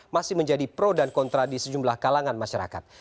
masih menjadi pro dan kontra di sejumlah kalangan masyarakat